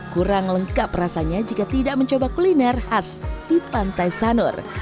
kurang lengkap rasanya jika tidak mencoba kuliner khas di pantai sanur